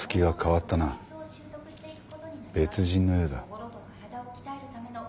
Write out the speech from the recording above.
別人のようだ。